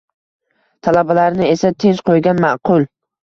Talabalarni esa tinch qoʻygan maqul.